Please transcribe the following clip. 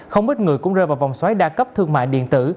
không ít người cũng rơi vào vòng xoáy đa cấp thương mại điện tử